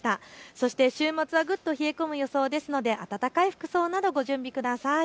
そして週末はぐっと冷え込む予想ですので暖かい服装などご準備ください。